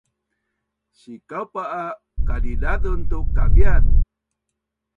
Sikaupa a kadidazun tu kaviaz